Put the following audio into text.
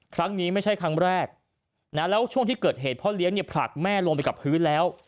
ครั้งนี้ไม่ใช่ครั้งแรกนะแล้วช่วงที่เกิดเหตุพ่อเลี้ยงเนี่ยผลักแม่ลงไปกับพื้นแล้ว